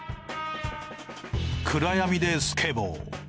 暗闇でスケボー。